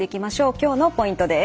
今日のポイントです。